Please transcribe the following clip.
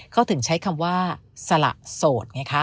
ก็ถึงใช้คำว่าสละโสด